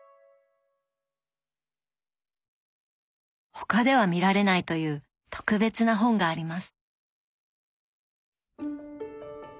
他では見られないという特別な本があります。